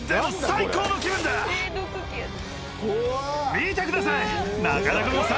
見てください。